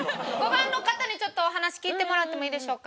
５番の方にちょっとお話聞いてもらってもいいでしょうか。